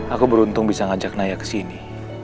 aku beruntung bisa ngajak naya kesini